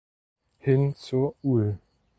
Hin zur ul.